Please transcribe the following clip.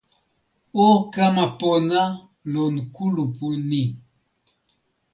o kama pona lon kulupu ni.